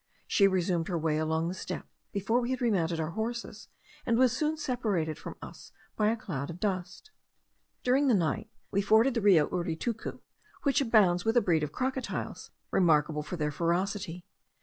She resumed her way along the steppe, before we had remounted our horses, and was soon separated from us by a cloud of dust. During the night we forded the Rio Uritucu, which abounds with a breed of crocodiles remarkable for their ferocity.